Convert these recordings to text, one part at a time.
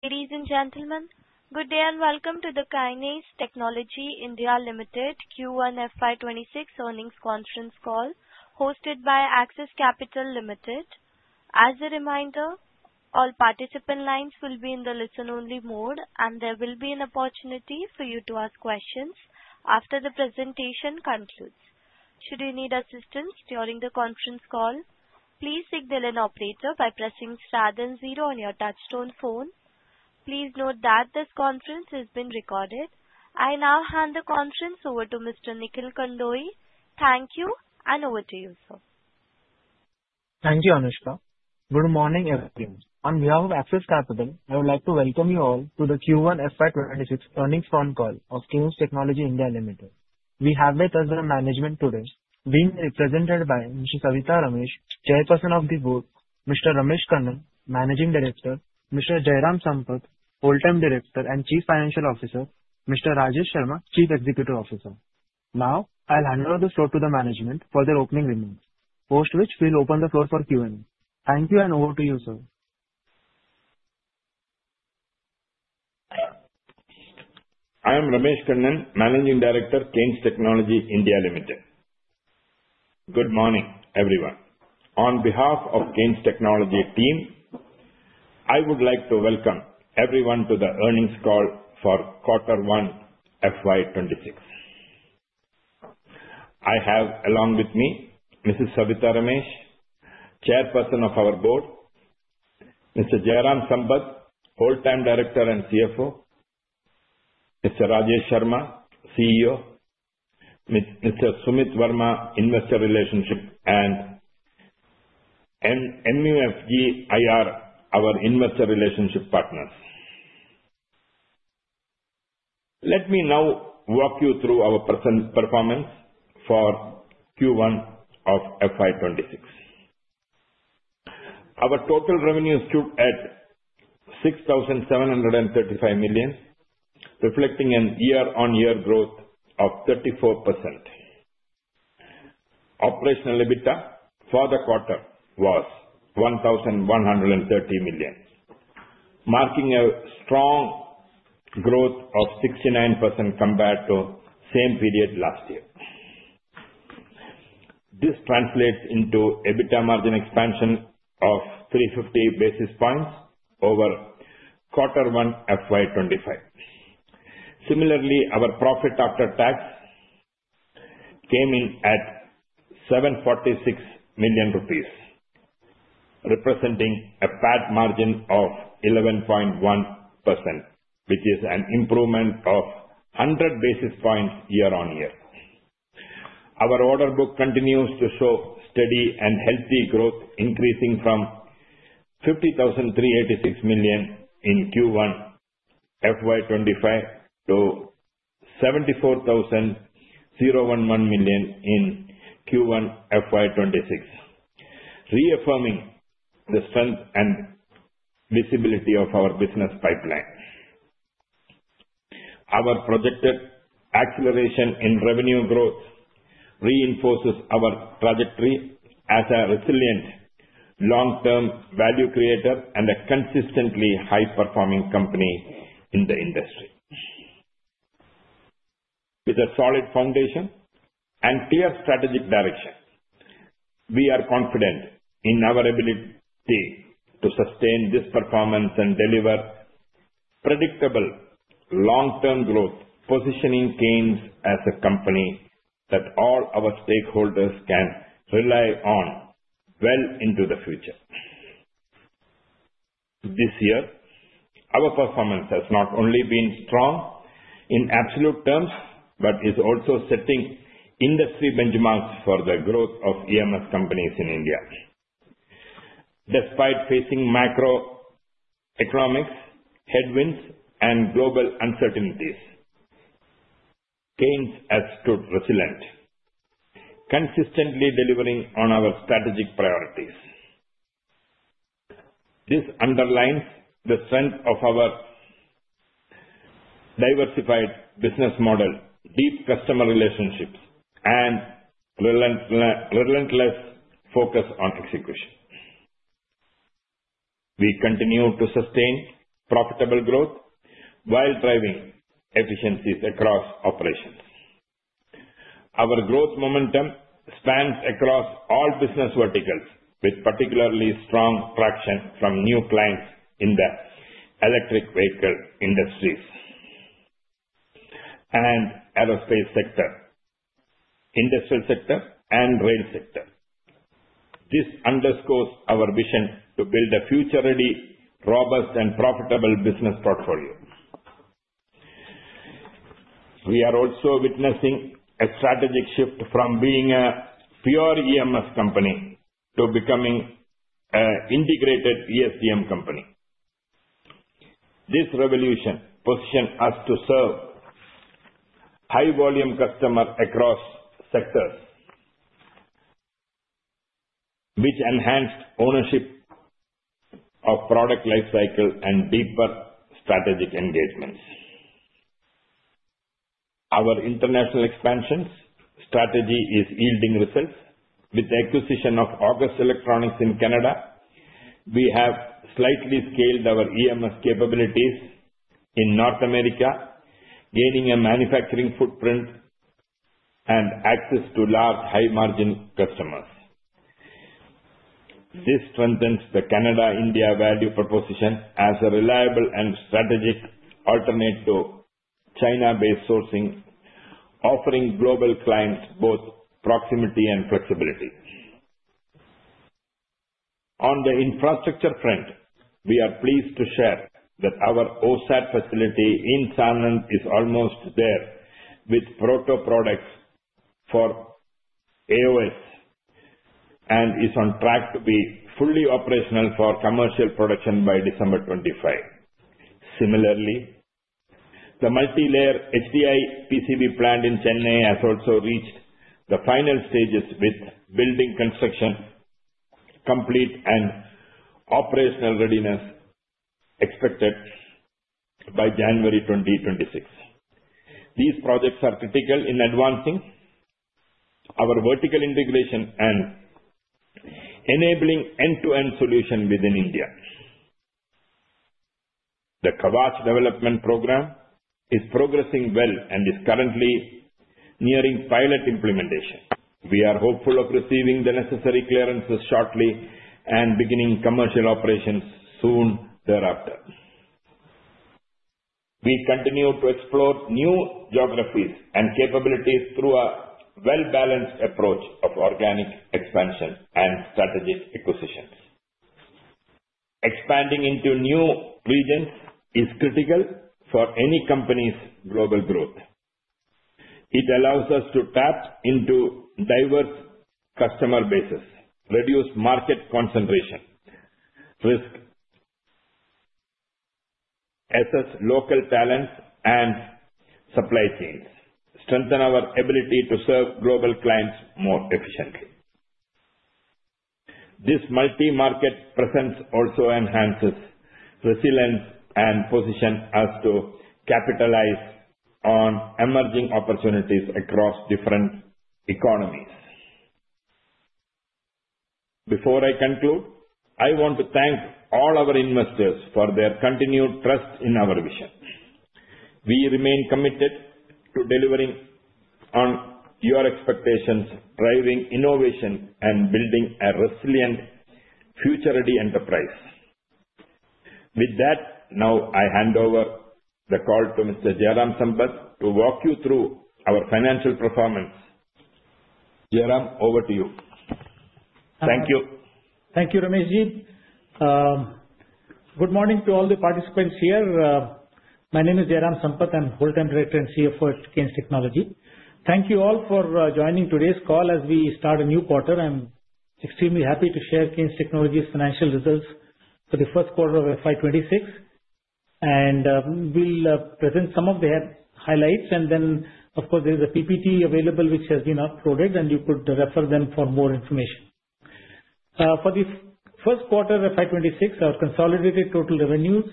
Ladies and gentlemen, good day and welcome to the Kaynes Technology India Limited Q1 FY 2026 Earnings Conference Call hosted by Axis Capital Limited. As a reminder, all participant lines will be in the listen-only mode, and there will be an opportunity for you to ask questions after the presentation concludes. Should you need assistance during the conference call, please signal an operator by pressing star then zero on your touch-tone phone. Please note that this conference has been recorded. I now hand the conference over to Mr. Nikhil Kandoi. Thank you, and over to you, sir. Thank you, Anushka. Good morning, everyone. On behalf of Axis Capital, I would like to welcome you all to the Q1 FY 2026 earnings phone call of Kaynes Technology India Limited. We have with us the management today. We are represented by Ms. Savitha Ramesh, Chairperson of the Board. Mr. Ramesh Kunhikannan, Managing Director. Mr. Jairam Sampath, Full-time Director and Chief Financial Officer. Mr. Rajesh Sharma, Chief Executive Officer. Now, I'll hand over the floor to the management for their opening remarks, post which we'll open the floor for Q&A. Thank you, and over to you, sir. I am Ramesh Kunhikannan, Managing Director, Kaynes Technology India Limited. Good morning, everyone. On behalf of Kaynes Technology team, I would like to welcome everyone to the earnings call for quarter one FY 2026. I have, along with me, Mrs. Savitha Ramesh, Chairperson of our board, Mr. Jairam Sampath, Full-time Director and CFO, Mr. Rajesh Sharma, CEO, Mr. Sumit Verma, Investor Relationship, and MUFG IR, our Investor Relationship Partner. Let me now walk you through our performance for Q1 of FY 2026. Our total revenue stood at 6,735 million, reflecting a year-on-year growth of 34%. Operational EBITDA for the quarter was 1,130 million, marking a strong growth of 69% compared to the same period last year. This translates into EBITDA margin expansion of 350 basis points over quarter one FY 2025. Similarly, our profit after tax came in at 746 million rupees, representing a PAT margin of 11.1%, which is an improvement of 100 basis points year-on-year. Our order book continues to show steady and healthy growth, increasing from 50,386 million in Q1 FY 2025 to 74,011 million in Q1 FY 2026, reaffirming the strength and visibility of our business pipeline. Our projected acceleration in revenue growth reinforces our trajectory as a resilient long-term value creator and a consistently high-performing company in the industry. With a solid foundation and clear strategic direction, we are confident in our ability to sustain this performance and deliver predictable long-term growth, positioning Kaynes as a company that all our stakeholders can rely on well into the future. This year, our performance has not only been strong in absolute terms but is also setting industry benchmarks for the growth of EMS companies in India. Despite facing macroeconomic headwinds and global uncertainties, Kaynes has stood resilient, consistently delivering on our strategic priorities. This underlines the strength of our diversified business model, deep customer relationships, and relentless focus on execution. We continue to sustain profitable growth while driving efficiencies across operations. Our growth momentum spans across all business verticals, with particularly strong traction from new clients in the electric vehicle industries and aerospace sector, industrial sector, and rail sector. This underscores our vision to build a future-ready, robust, and profitable business portfolio. We are also witnessing a strategic shift from being a pure EMS company to becoming an integrated ESDM company. This evolution positions us to serve high-volume customers across sectors, which enables enhanced ownership of product lifecycle and deeper strategic engagements. Our international expansion strategy is yielding results, with the acquisition of August Electronics in Canada, we have slightly scaled our EMS capabilities in North America, gaining a manufacturing footprint and access to large, high-margin customers. This strengthens the Canada-India value proposition as a reliable and strategic alternate to China-based sourcing, offering global clients both proximity and flexibility. On the infrastructure front, we are pleased to share that our OSAT facility in Sanand is almost there, with proto products for AOS, and is on track to be fully operational for commercial production by December 2025. Similarly, the multi-layer HDI PCB plant in Chennai has also reached the final stages, with building construction complete and operational readiness expected by January 2026. These projects are critical in advancing our vertical integration and enabling end-to-end solutions within India. The Kavach Development Program is progressing well and is currently nearing pilot implementation. We are hopeful of receiving the necessary clearances shortly and beginning commercial operations soon thereafter. We continue to explore new geographies and capabilities through a well-balanced approach of organic expansion and strategic acquisitions. Expanding into new regions is critical for any company's global growth. It allows us to tap into diverse customer bases, reduce market concentration, risk, assess local talents, and supply chains, strengthen our ability to serve global clients more efficiently. This multi-market presence also enhances resilience and positions us to capitalize on emerging opportunities across different economies. Before I conclude, I want to thank all our investors for their continued trust in our vision. We remain committed to delivering on your expectations, driving innovation, and building a resilient, future-ready enterprise. With that, now I hand over the call to Mr. Jairam Sampath to walk you through our financial performance. Jairam, over to you. Thank you. Thank you, Ramesh ji. Good morning to all the participants here. My name is Jairam Sampath. I'm a full-time Director and CFO at Kaynes Technology. Thank you all for joining today's call as we start a new quarter. I'm extremely happy to share Kaynes Technology's financial results for the first quarter of FY 2026, and we'll present some of the highlights, and then, of course, there is a ppt available, which has been uploaded, and you could refer to them for more information. For the first quarter of FY 2026, our consolidated total revenues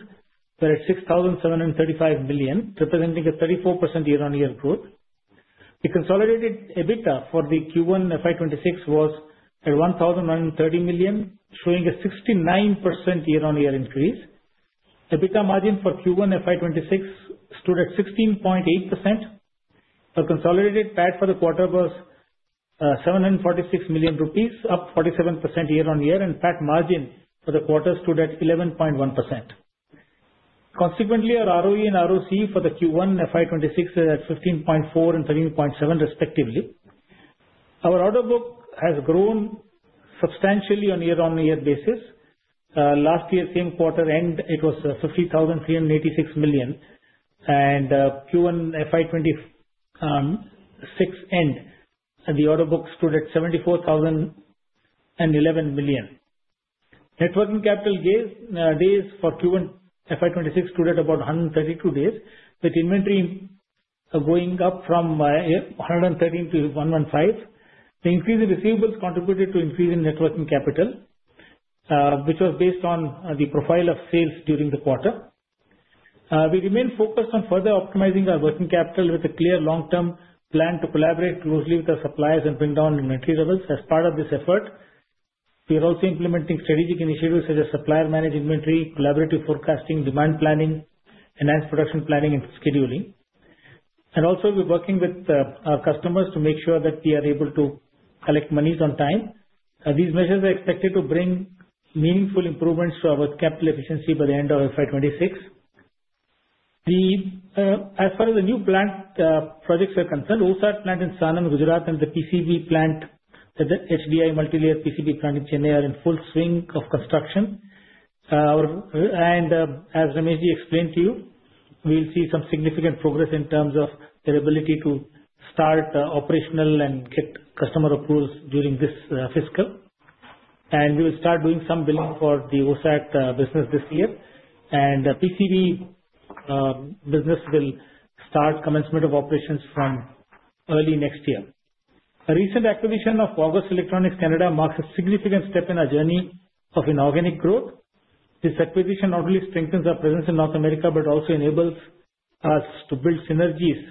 were at 6,735 million, representing a 34% year-on-year growth. The consolidated EBITDA for Q1 FY 2026 was at 1,130 million, showing a 69% year-on-year increase. EBITDA margin for Q1 FY 2026 stood at 16.8%. The consolidated PAT for the quarter was 746 million rupees, up 47% year-on-year, and PAT margin for the quarter stood at 11.1%. Consequently, our ROE and ROCE for Q1 FY 2026 were at 15.4% and 13.7%, respectively. Our order book has grown substantially on a year-on-year basis. Last year, same quarter end, it was 50,386 million, and Q1 FY 2026 end, the order book stood at 74,011 million. Net working capital days for Q1 FY 2026 stood at about 132 days, with inventory going up from 113 to 115. The increase in receivables contributed to an increase in net working capital, which was based on the profile of sales during the quarter. We remain focused on further optimizing our working capital with a clear long-term plan to collaborate closely with our suppliers and bring down inventory levels. As part of this effort, we are also implementing strategic initiatives such as supplier-managed inventory, collaborative forecasting, demand planning, enhanced production planning, and scheduling. And also, we're working with our customers to make sure that we are able to collect monies on time. These measures are expected to bring meaningful improvements to our capital efficiency by the end of FY 2026. As far as the new plant projects are concerned, OSAT plant in Sanand, Gujarat, and the PCB plant at the HDI multi-layer PCB plant in Chennai are in full swing of construction. And as Ramesh ji explained to you, we'll see some significant progress in terms of their ability to start operational and get customer approvals during this fiscal. And we will start doing some billing for the OSAT business this year. And the PCB business will start commencement of operations from early next year. A recent acquisition of August Electronics Canada marks a significant step in our journey of inorganic growth. This acquisition not only strengthens our presence in North America but also enables us to build synergies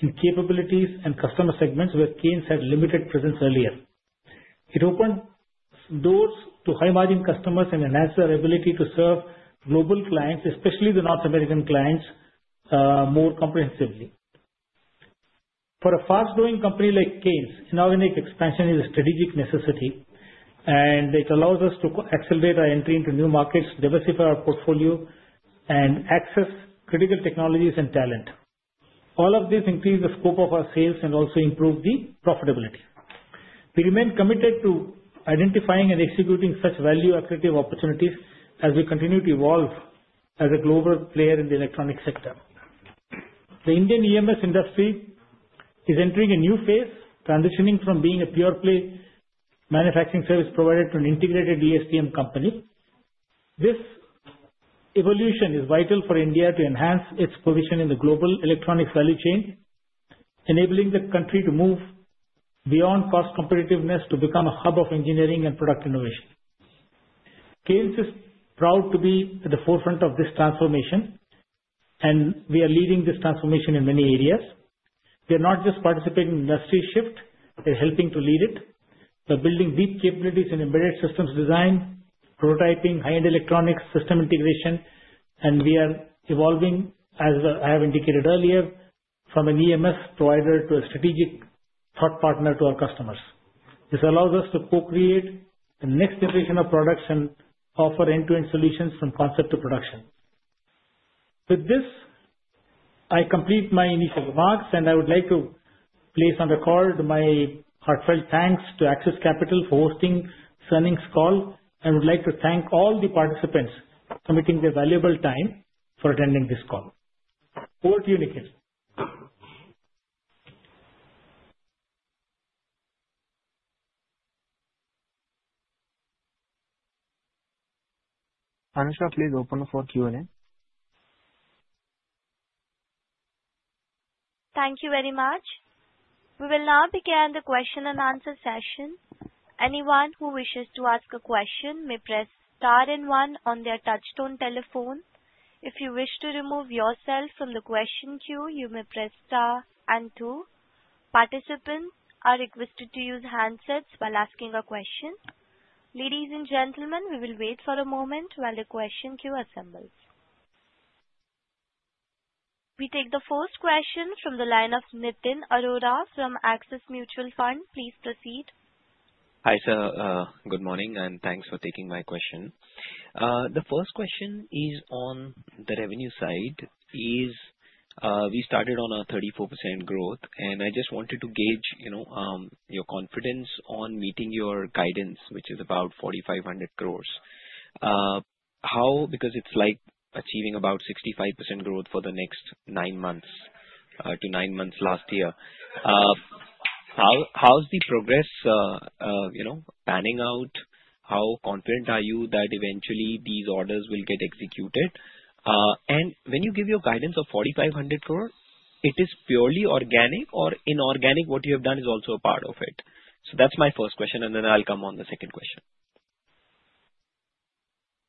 in capabilities and customer segments where Kaynes had limited presence earlier. It opens doors to high-margin customers and enhances our ability to serve global clients, especially the North American clients, more comprehensively. For a fast-growing company like Kaynes, inorganic expansion is a strategic necessity. And it allows us to accelerate our entry into new markets, diversify our portfolio, and access critical technologies and talent. All of this increases the scope of our sales and also improves the profitability. We remain committed to identifying and executing such value-accretive opportunities as we continue to evolve as a global player in the electronic sector. The Indian EMS industry is entering a new phase, transitioning from being a pure play manufacturing service provider to an integrated ESDM company. This evolution is vital for India to enhance its position in the global electronics value chain, enabling the country to move beyond cost competitiveness to become a hub of engineering and product innovation. Kaynes is proud to be at the forefront of this transformation, and we are leading this transformation in many areas. We are not just participating in the industry shift, we're helping to lead it by building deep capabilities in embedded systems design, prototyping, high-end electronics system integration, and we are evolving, as I have indicated earlier, from an EMS provider to a strategic thought partner to our customers. This allows us to co-create the next generation of products and offer end-to-end solutions from concept to production. With this, I complete my initial remarks, and I would like to place on record my heartfelt thanks to Axis Capital for hosting this earnings call. I would like to thank all the participants for committing their valuable time for attending this call. Over to you, Nikhil. Anushka, please open for Q&A. Thank you very much. We will now begin the question-and-answer session. Anyone who wishes to ask a question may press star and one on their touch-tone telephone. If you wish to remove yourself from the question queue, you may press star and two. Participants are requested to use handsets while asking a question. Ladies and gentlemen, we will wait for a moment while the question queue assembles. We take the first question from the line of Nitin Arora from Axis Mutual Fund. Please proceed. Hi, sir. Good morning, and thanks for taking my question. The first question is on the revenue side. We started on a 34% growth, and I just wanted to gauge your confidence on meeting your guidance, which is about 4,500 crore. How, because it's like achieving about 65% growth for the next nine months to nine months last year, how's the progress panning out? How confident are you that eventually these orders will get executed? And when you give your guidance of 4,500 crore, it is purely organic or inorganic? What you have done is also a part of it. So that's my first question, and then I'll come on the second question.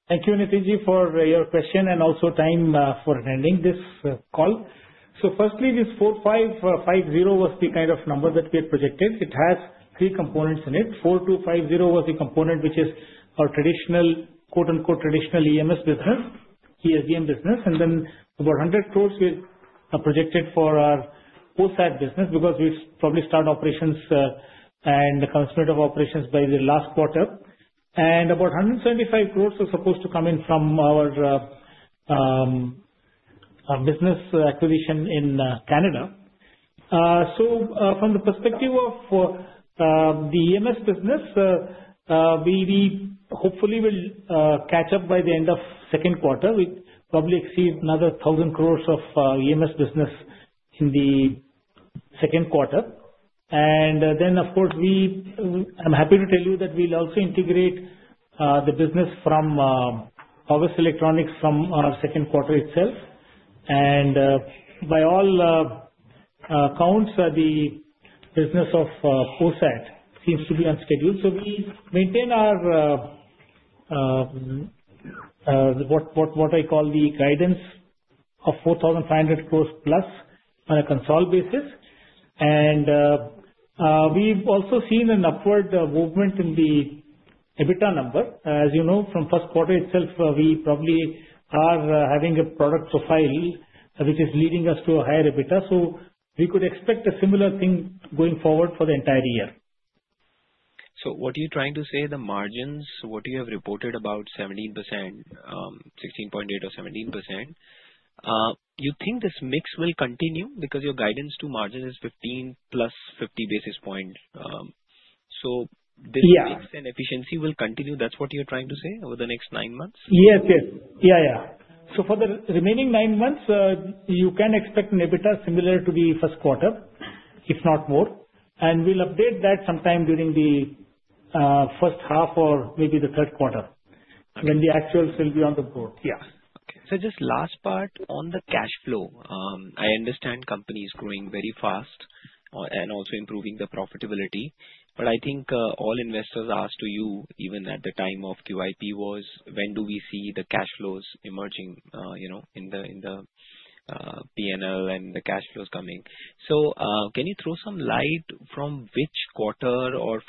Thank you, Nitin ji, for your question and also time for attending this call. So firstly, this 4,550 crore was the kind of number that we had projected. It has three components in it. 4,250 crore was the component which is our traditional, quote-unquote, "traditional EMS business," ESDM business. And then about 100 crore we projected for our OSAT business because we probably start operations and the commencement of operations by the last quarter. And about 175 crore were supposed to come in from our business acquisition in Canada. So from the perspective of the EMS business, we hopefully will catch up by the end of second quarter. We probably exceed another 1,000 crore of EMS business in the second quarter. And then, of course, I'm happy to tell you that we'll also integrate the business from August Electronics from our second quarter itself. By all accounts, the business of OSAT seems to be on schedule. We maintain our what I call the guidance of 4,500 crore plus on a consolidated basis. We've also seen an upward movement in the EBITDA number. As you know, from first quarter itself, we probably are having a product profile which is leading us to a higher EBITDA. We could expect a similar thing going forward for the entire year. So what are you trying to say? The margins, what you have reported about 17%, 16.8% or 17%. You think this mix will continue because your guidance to margin is 15+, 50 basis points? So this mix and efficiency will continue. That's what you're trying to say over the next nine months? Yes. Yeah. So for the remaining nine months, you can expect an EBITDA similar to the first quarter, if not more. And we'll update that sometime during the first half or maybe the third quarter when the actuals will be on the board. Yeah. Okay. So just last part on the cash flow. I understand company is growing very fast and also improving the profitability. But I think all investors asked you even at the time of QIP was, "When do we see the cash flows emerging in the P&L and the cash flows coming?" So can you throw some light from which quarter or,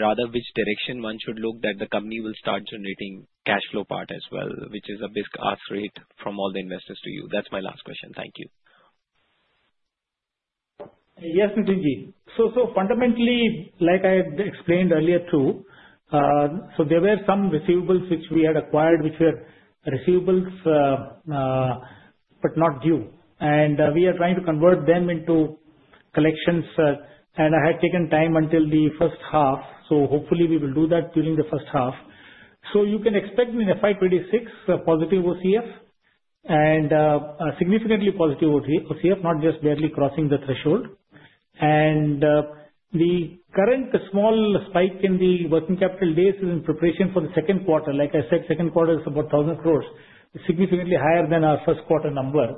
rather, which direction one should look that the company will start generating cash flow part as well, which is a big ask, right, from all the investors to you? That's my last question. Thank you. Yes, Nitin ji. So fundamentally, like I explained earlier too, so there were some receivables which we had acquired, which were receivables but not due. And we are trying to convert them into collections. And I had taken time until the first half. So hopefully, we will do that during the first half. So you can expect in FY 2026 a positive OCF and a significantly positive OCF, not just barely crossing the threshold. And the current small spike in the working capital days is in preparation for the second quarter. Like I said, second quarter is about 1,000 crore, significantly higher than our first quarter number.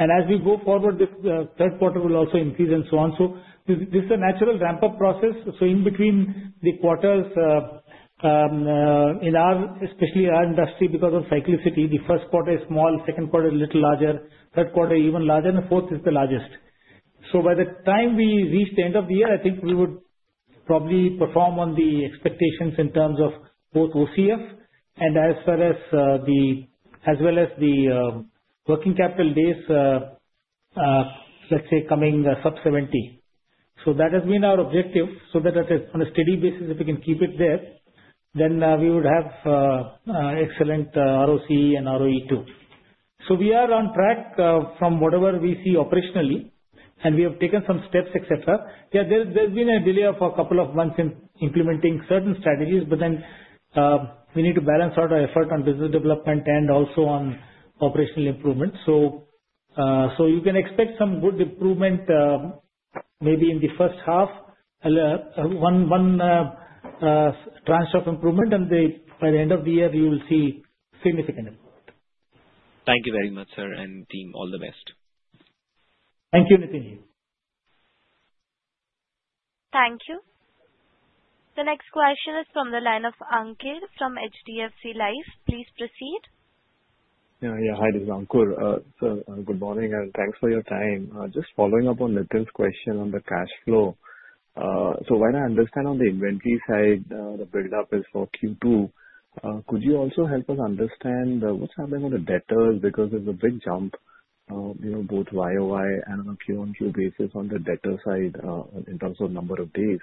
And as we go forward, the third quarter will also increase and so on. So this is a natural ramp-up process. So in between the quarters, in our, especially our industry, because of cyclicity, the first quarter is small, second quarter is a little larger, third quarter is even larger, and the fourth is the largest. So by the time we reach the end of the year, I think we would probably perform on the expectations in terms of both OCF and as well as the working capital days, let's say, coming sub 70. So that has been our objective. So that on a steady basis, if we can keep it there, then we would have excellent ROC and ROE too. So we are on track from whatever we see operationally. And we have taken some steps, etc. Yeah, there's been a delay of a couple of months in implementing certain strategies, but then we need to balance out our effort on business development and also on operational improvement. So, you can expect some good improvement, maybe in the first half, one tranche of improvement. And by the end of the year, you will see significant improvement. Thank you very much, sir, and team. All the best. Thank you, Nitin ji. Thank you. The next question is from the line of Ankur from HDFC Life. Please proceed. Yeah, yeah. Hi, this is Ankur. So good morning, and thanks for your time. Just following up on Nitin's question on the cash flow. So what I understand on the inventory side, the build-up is for Q2. Could you also help us understand what's happening on the debtors because there's a big jump, both YoY and on a Q1, Q2 basis on the debtor side in terms of number of days?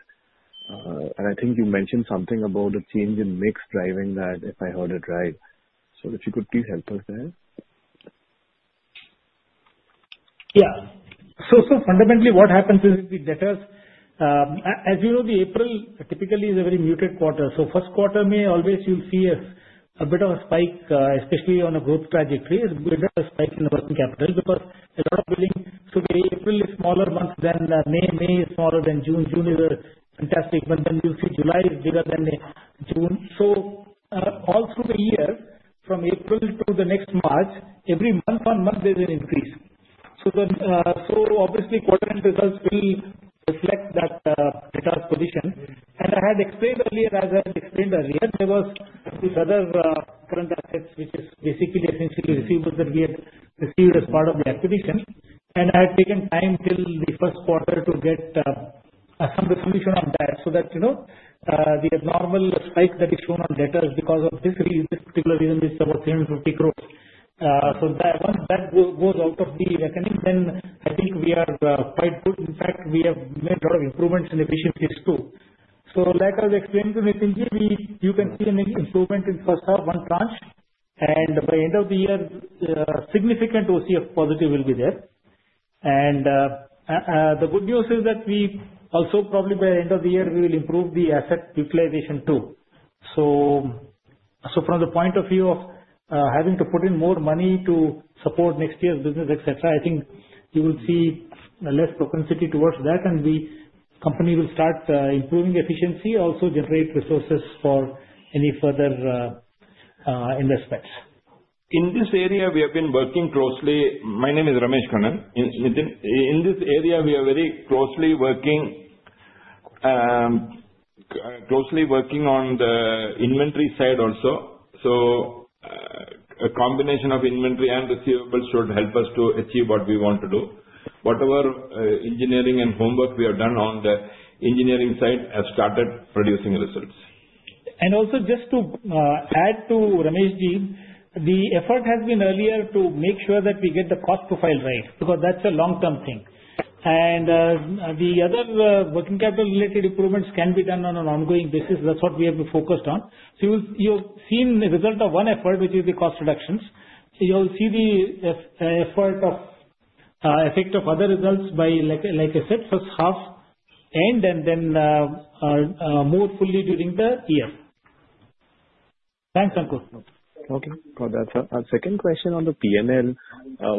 And I think you mentioned something about a change in mix driving that, if I heard it right. So if you could please help us there. Yeah. Fundamentally, what happens is with the debtors, as you know. April typically is a very muted quarter. First quarter, always you'll see a bit of a spike, especially on a growth trajectory, a bit of a spike in the working capital because a lot of billing. April is smaller month than May. May is smaller than June. June is fantastic. But then you'll see July is bigger than June. All through the year, from April to the next March, every month, one month, there's an increase. Obviously, quarter-end results will reflect that debtors' position. And I had explained earlier, as I had explained earlier, there was this other current asset, which is basically essentially receivables that we had received as part of the acquisition. I had taken time till the first quarter to get some resolution on that so that the abnormal spike that is shown on debtors because of this particular reason is about 350 crore. Once that goes out of the reckoning, then I think we are quite good. In fact, we have made a lot of improvements in efficiencies too. Like I was explaining to Nitin ji, you can see an improvement in first half, one tranche. By the end of the year, significant OCF positive will be there. The good news is that we also, probably by the end of the year, we will improve the asset utilization too. From the point of view of having to put in more money to support next year's business, etc., I think you will see less propensity towards that. The company will start improving efficiency, also generate resources for any further investments. In this area, we have been working closely. My name is Ramesh Kunhikannan. In this area, we are very closely working on the inventory side also. So a combination of inventory and receivables should help us to achieve what we want to do. Whatever engineering and homework we have done on the engineering side has started producing results. And also, just to add to Ramesh ji, the effort has been earlier to make sure that we get the cost profile right because that's a long-term thing. And the other working capital-related improvements can be done on an ongoing basis. That's what we have focused on. So you've seen the result of one effort, which is the cost reductions. You'll see the effect of other efforts by, like I said, first half end and then more fully during the year. Thanks, Ankur. Okay. So that's our second question on the P&L.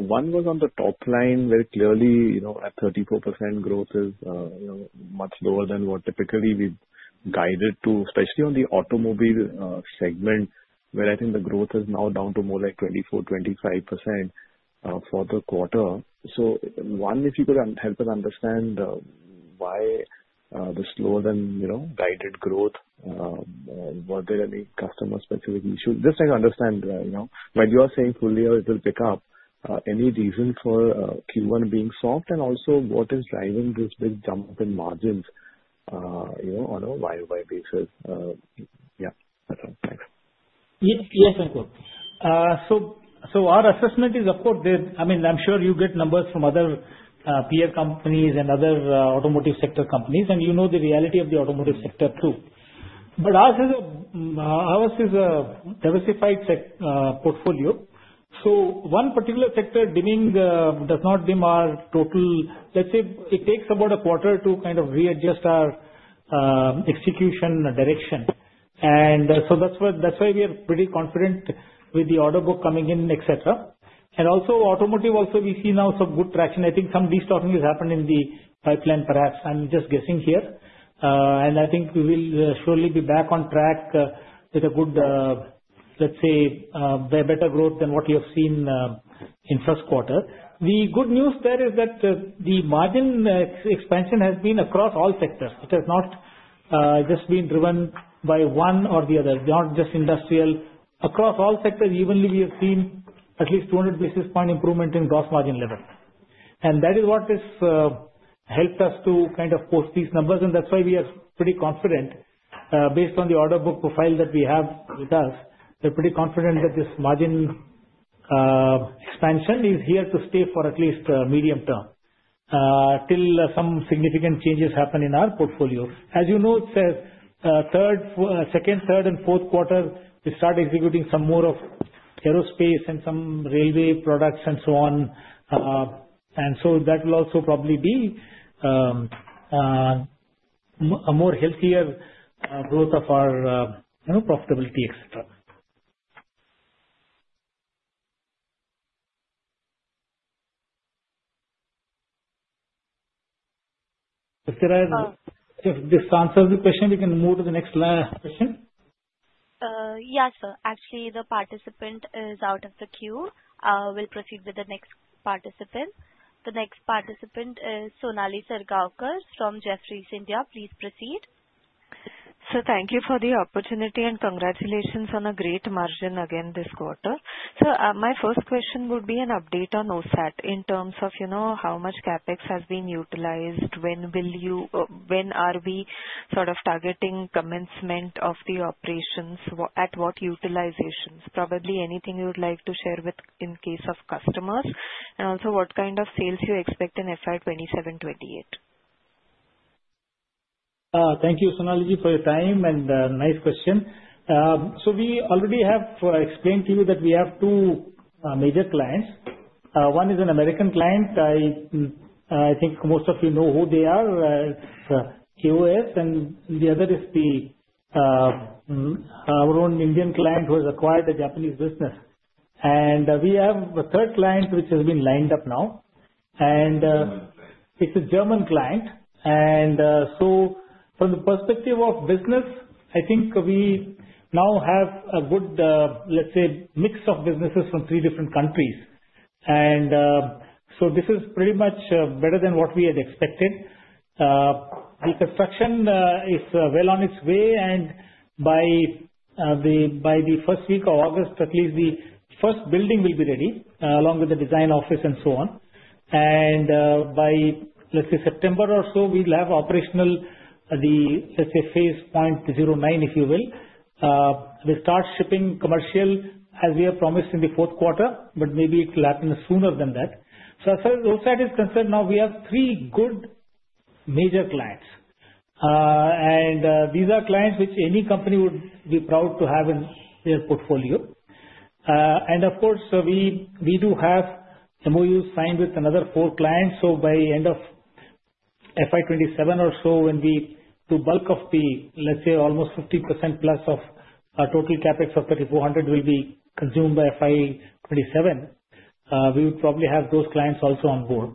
One was on the top line. Very clearly, at 34%, growth is much lower than what typically we've guided to, especially on the automobile segment, where I think the growth is now down to more like 24%-25% for the quarter. So one, if you could help us understand why the slower than guided growth, were there any customer-specific issues? Just trying to understand when you are saying fully it will pick up, any reason for Q1 being soft? And also, what is driving this big jump in margins on a YoY basis? Yeah. That's all. Thanks. Yes, Ankur. So our assessment is, of course, I mean, I'm sure you get numbers from other P&L companies and other automotive sector companies, and you know the reality of the automotive sector too. But ours is a diversified portfolio. So one particular sector does not dim our total. Let's say it takes about a quarter to kind of readjust our execution direction. And so that's why we are pretty confident with the order book coming in, etc. And also, automotive also, we see now some good traction. I think some destocking has happened in the pipeline, perhaps. I'm just guessing here. And I think we will surely be back on track with a good, let's say, better growth than what you have seen in first quarter. The good news there is that the margin expansion has been across all sectors. It has not just been driven by one or the other. They're not just industrial. Across all sectors, evenly, we have seen at least 200 basis points improvement in gross margin level. And that is what has helped us to kind of post these numbers. And that's why we are pretty confident, based on the order book profile that we have with us, we're pretty confident that this margin expansion is here to stay for at least medium term till some significant changes happen in our portfolio. As you know, in the second, third, and fourth quarter, we start executing some more of aerospace and some railway products and so on. And so that will also probably be a more healthier growth of our profitability, etc. If this answers the question, we can move to the next question. Yes, sir. Actually, the participant is out of the queue. We'll proceed with the next participant. The next participant is Sonali Salgaonkar from Jefferies India. Please proceed. Thank you for the opportunity and congratulations on a great margin again this quarter. My first question would be an update on OSAT in terms of how much CapEx has been utilized. When are we sort of targeting commencement of the operations? At what utilizations? Probably anything you would like to share in case of customers? And also, what kind of sales you expect in FY 2027-2028? Thank you, Sonali, for your time and nice question so we already have explained to you that we have two major clients. One is an American client. I think most of you know who they are. It's AOS. And the other is our own Indian client who has acquired a Japanese business and we have a third client which has been lined up now. And it's a German client and so from the perspective of business, I think we now have a good, let's say, mix of businesses from three different countries and so this is pretty much better than what we had expected. The construction is well on its way and by the first week of August, at least the first building will be ready along with the design office and so on. By, let's say, September or so, we'll have operational, let's say, Phase 0.09, if you will. We'll start shipping commercial as we have promised in the fourth quarter, but maybe it will happen sooner than that. As far as OSAT is concerned, now we have three good major clients. These are clients which any company would be proud to have in their portfolio. Of course, we do have MOUs signed with another four clients. By the end of FY 2027 or so, when the bulk of the, let's say, almost 50%+ of total CapEx of 3,400 will be consumed by FY 2027, we would probably have those clients also on board.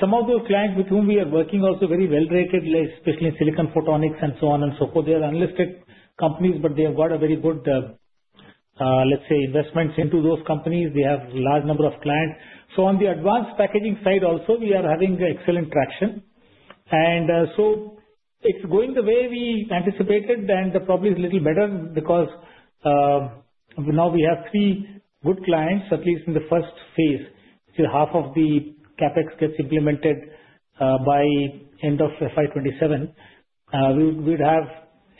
Some of those clients with whom we are working also very well-rated, especially Silicon Photonics and so on and so forth. They are unlisted companies, but they have got a very good, let's say, investments into those companies. They have a large number of clients. So on the advanced packaging side also, we are having excellent traction. And so it's going the way we anticipated, and probably a little better because now we have three good clients, at least in the first phase, which is half of the CapEx gets implemented by the end of FY 2027. We would have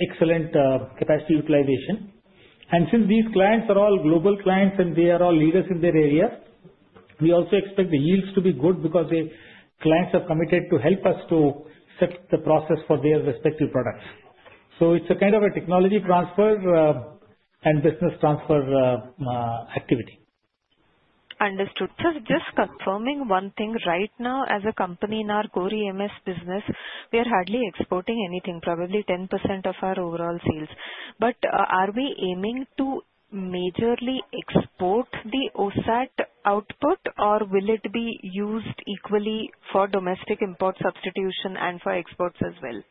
excellent capacity utilization. And since these clients are all global clients and they are all leaders in their area, we also expect the yields to be good because the clients are committed to help us to set the process for their respective products. So it's a kind of a technology transfer and business transfer activity. Understood. Just confirming one thing. Right now, as a company in our core EMS business, we are hardly exporting anything, probably 10% of our overall sales. But are we aiming to majorly export the OSAT output, or will it be used equally for domestic import substitution and for exports as well?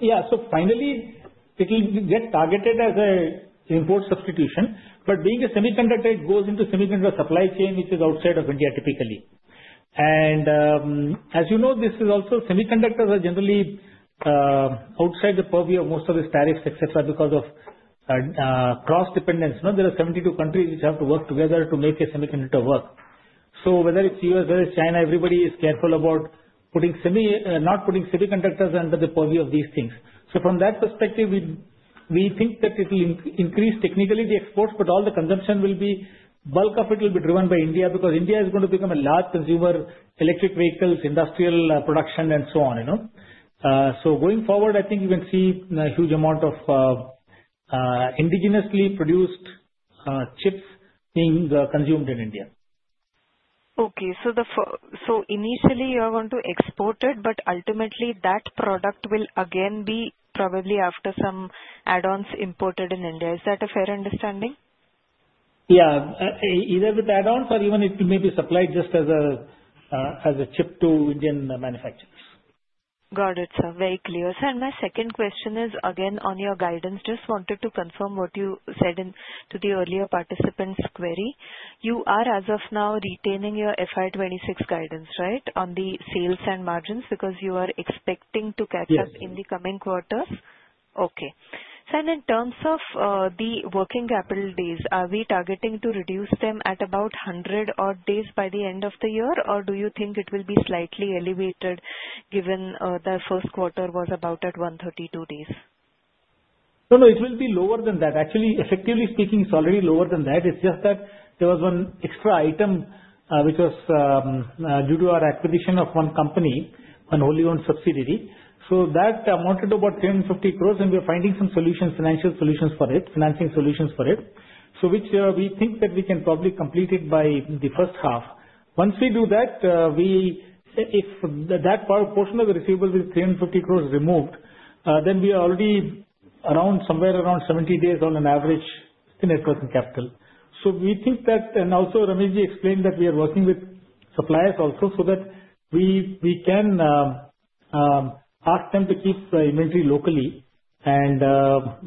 Yeah. So finally, it will get targeted as an import substitution. But being a semiconductor, it goes into semiconductor supply chain, which is outside of India typically. And as you know, this is also semiconductors are generally outside the purview of most of these tariffs, etc., because of cross-dependence. There are 72 countries which have to work together to make a semiconductor work. So whether it's U.S., whether it's China, everybody is careful about not putting semiconductors under the purview of these things. So from that perspective, we think that it will increase technically the exports, but all the consumption will be bulk of it will be driven by India because India is going to become a large consumer, electric vehicles, industrial production, and so on. So going forward, I think you can see a huge amount of indigenously produced chips being consumed in India. Okay. So initially, you're going to export it, but ultimately, that product will again be probably after some add-ons imported in India. Is that a fair understanding? Yeah. Either with add-ons or even it may be supplied just as a chip to Indian manufacturers. Got it, sir. Very clear. Sir, my second question is, again, on your guidance, just wanted to confirm what you said to the earlier participant's query. You are, as of now, retaining your FY 2026 guidance, right, on the sales and margins because you are expecting to catch up in the coming quarters? Okay. Sir, in terms of the working capital days, are we targeting to reduce them at about 100 odd days by the end of the year, or do you think it will be slightly elevated given the first quarter was about at 132 days? No, no. It will be lower than that. Actually, effectively speaking, it's already lower than that. It's just that there was one extra item which was due to our acquisition of one company, a wholly owned subsidiary. So that amounted to about 350 crore, and we are finding some solutions, financial solutions for it, financing solutions for it, which we think that we can probably complete it by the first half. Once we do that, if that portion of the receivables with 350 crore removed, then we are already somewhere around 70 days on average working capital. So we think that, and also, Ramesh ji explained that we are working with suppliers also so that we can ask them to keep the inventory locally, and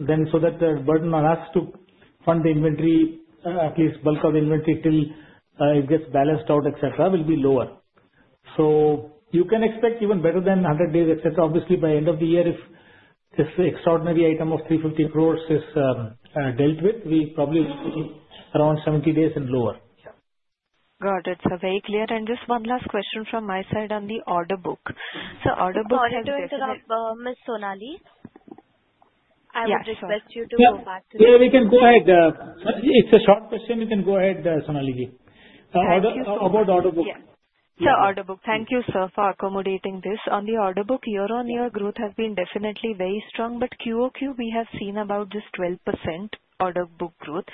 then so that the burden on us to fund the inventory, at least bulk of the inventory till it gets balanced out, etc., will be lower. So you can expect even better than 100 days, etc. Obviously, by the end of the year, if this extraordinary item of 350 crore is dealt with, we probably will be around 70 days and lower. Got it. So very clear. And just one last question from my side on the order book. So order book has been. Sorry to interrupt, Ms. Sonali. I would request you to go back to the. Yeah, we can go ahead. It's a short question. You can go ahead, Sonali ji, about the order book. Yes. Sir, order book. Thank you, sir, for accommodating this. On the order book, year-on-year growth has been definitely very strong, but QoQ, we have seen about just 12% order book growth.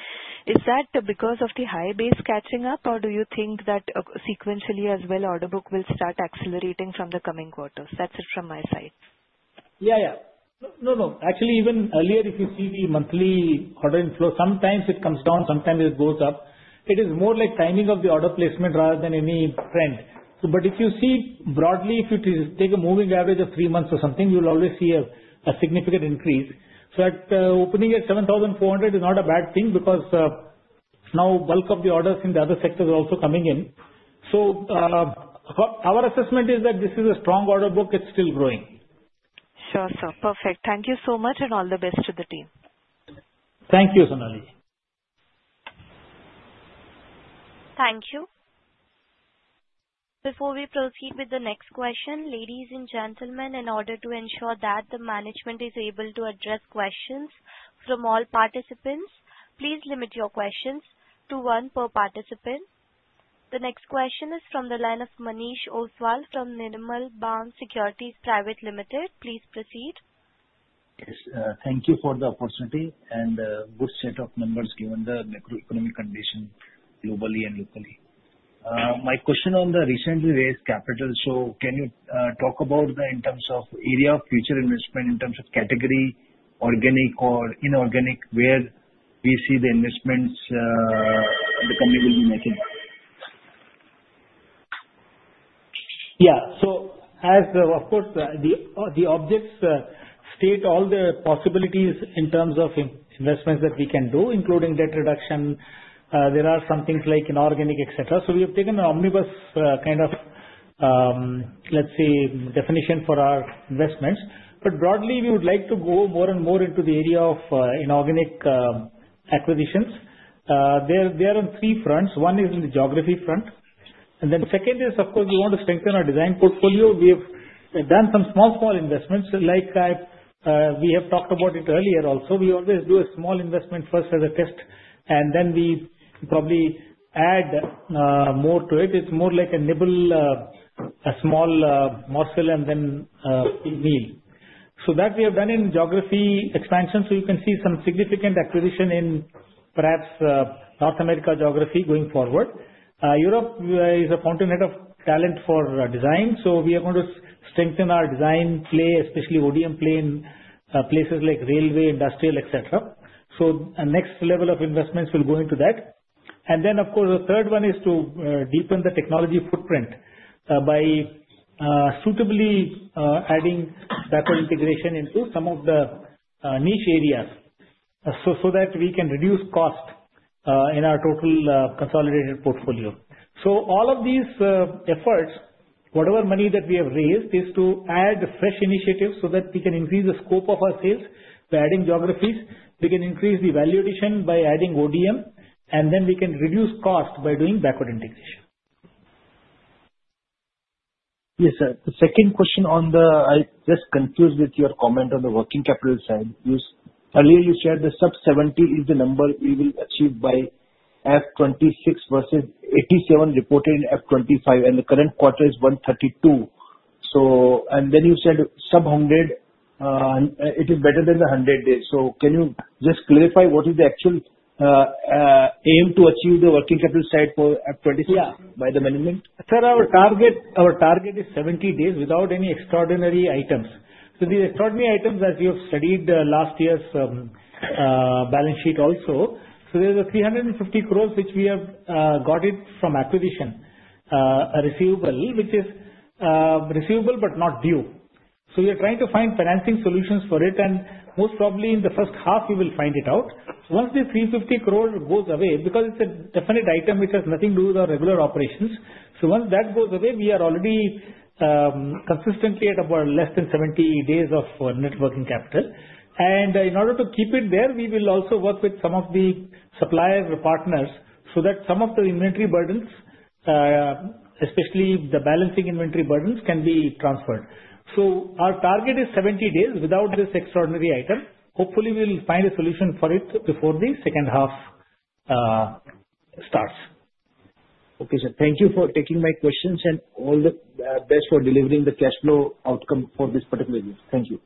Is that because of the high base catching up, or do you think that sequentially as well, order book will start accelerating from the coming quarters? That's it from my side. Yeah, yeah. No, no. Actually, even earlier, if you see the monthly order inflow, sometimes it comes down, sometimes it goes up. It is more like timing of the order placement rather than any trend. But if you see broadly, if you take a moving average of three months or something, you will always see a significant increase. So opening at 7,400 is not a bad thing because now bulk of the orders in the other sectors are also coming in. So our assessment is that this is a strong order book. It's still growing. Sure, sir. Perfect. Thank you so much and all the best to the team. Thank you, Sonali ji. Thank you. Before we proceed with the next question, ladies and gentlemen, in order to ensure that the management is able to address questions from all participants, please limit your questions to one per participant. The next question is from the line of Manish Ostwal from Nirmal Bang Securities Private Limited. Please proceed. Thank you for the opportunity and good set of numbers given the macroeconomic condition globally and locally. My question on the recently raised capital. So can you talk about the area of future investment in terms of category, organic or inorganic, where we see the investments the company will be making? Yeah. So of course, the objects state all the possibilities in terms of investments that we can do, including debt reduction. There are some things like inorganic, etc. So we have taken an omnibus kind of, let's say, definition for our investments. But broadly, we would like to go more and more into the area of inorganic acquisitions. They are on three fronts. One is in the geography front, and then second is, of course, we want to strengthen our design portfolio. We have done some small, small investments. We have talked about it earlier also. We always do a small investment first as a test, and then we probably add more to it. It's more like a nibble, a small morsel, and then a big meal. So that we have done in geography expansion. So you can see some significant acquisition in perhaps North America geography going forward. Europe is a fountainhead of talent for design. So we are going to strengthen our design play, especially ODM play in places like railway, industrial, etc. So the next level of investments will go into that. And then, of course, the third one is to deepen the technology footprint by suitably adding backward integration into some of the niche areas so that we can reduce cost in our total consolidated portfolio. So all of these efforts, whatever money that we have raised, is to add fresh initiatives so that we can increase the scope of our sales. By adding geographies, we can increase the value addition by adding ODM, and then we can reduce cost by doing backward integration. Yes, sir. The second question on the. I'm just confused with your comment on the working capital side. Earlier, you shared the sub-70 is the number we will achieve by F 2026 versus 87 reported in F 2025, and the current quarter is 132. And then you said sub-100, it is better than the 100 days. So can you just clarify what is the actual aim to achieve the working capital side for F 2026 by the management? Sir, our target is 70 days without any extraordinary items. So the extraordinary items, as you have studied last year's balance sheet also, so there's 350 crore which we have gotten from acquisition, a receivable which is receivable but not due. So we are trying to find financing solutions for it, and most probably in the first half, we will find it out. So once the 350 crore goes away, because it's a definite item which has nothing to do with our regular operations, so once that goes away, we are already consistently at about less than 70 days of net working capital. And in order to keep it there, we will also work with some of the supplier partners so that some of the inventory burdens, especially the balancing inventory burdens, can be transferred. So our target is 70 days without this extraordinary item. Hopefully, we'll find a solution for it before the second half starts. Okay, sir. Thank you for taking my questions and all the best for delivering the cash flow outcome for this particular year. Thank you.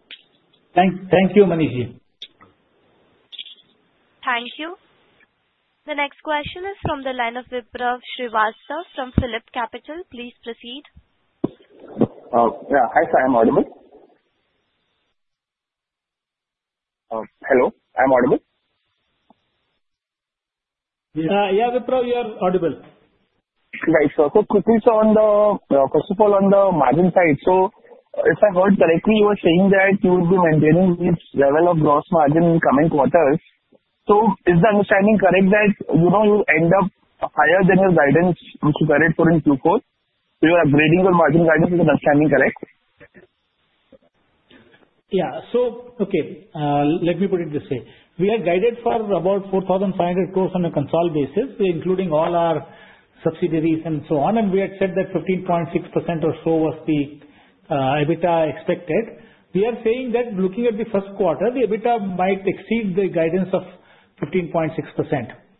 Thank you, Manish ji. Thank you. The next question is from the line of Vipraw Srivastava from PhillipCapital. Please proceed. Yeah. Hi, sir. I'm audible. Hello. I'm audible. Yeah, Vipraw, you are audible. Right. So quickly, sir, first of all, on the margin side, so if I heard correctly, you were saying that you would be maintaining this level of gross margin in coming quarters. So is the understanding correct that you end up higher than your guidance, which you carried for in Q4? You are upgrading your margin guidance. Is the understanding correct? Yeah. So okay, let me put it this way. We are guided for about 4,500 crore on a consolidated basis, including all our subsidiaries and so on. And we had said that 15.6% or so was the EBITDA expected. We are saying that looking at the first quarter, the EBITDA might exceed the guidance of 15.6%.